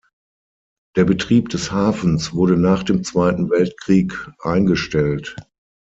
Der Betrieb des Hafens wurde nach dem Zweiten Weltkrieg eingestellt.